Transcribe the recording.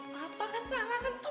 papa kan salah kan